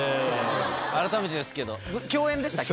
改めてですけど共演でしたっけ？